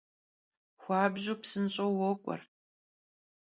Xuabju psınş'eu vok'uer.